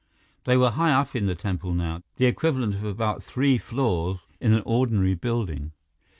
They were high up in the temple now, the equivalent of about three floors in an ordinary building.